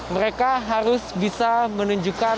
mereka harus bisa menunjukkan